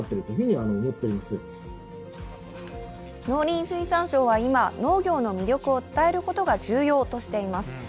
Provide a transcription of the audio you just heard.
農林水産省は今、農業の魅力を伝えることが重要としています。